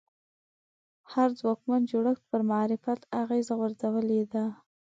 هر ځواکمن جوړښت پر معرفت اغېزه غورځولې ده